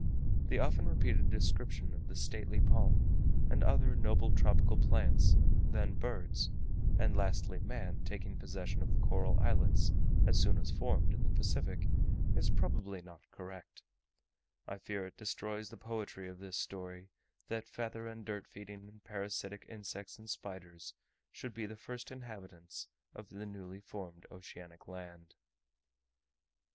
The often repeated description of the stately palm and other noble tropical plants, then birds, and lastly man, taking possession of the coral islets as soon as formed, in the Pacific, is probably not correct; I fear it destroys the poetry of this story, that feather and dirt feeding and parasitic insects and spiders should be the first inhabitants of newly formed oceanic land.